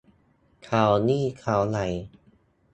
เค้านี่เค้าไหน